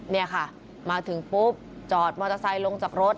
นี่ค่ะมาถึงปุ๊บจอดมอเตอร์ไซค์ลงจากรถ